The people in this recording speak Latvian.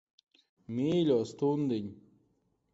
Mīļo stundiņ.